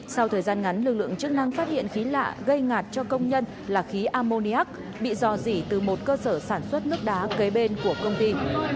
sau thời gian ngắn lực lượng chức năng phát hiện khí lạ gây ngạt cho công nhân là khí ammoniac bị dò dỉ từ một cơ sở sản xuất nước đá kế bên của công ty